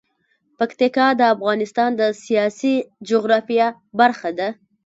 پکتیکا د افغانستان د سیاسي جغرافیه برخه ده.